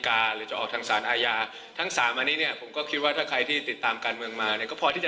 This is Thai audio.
เพราะฉะนั้นไม่ว่ามันจะเกิดขึ้นอะไรกับ๑๕๑ตรงนี้เนี่ย